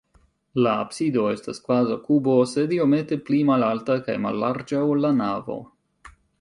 La absido estas kvazaŭ kubo, sed iomete pli malalta kaj mallarĝa, ol la navo.